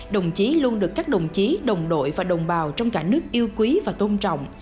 đồng chí luôn được các đồng chí đồng đội và đồng bào trong cả nước yêu quý và tôn trọng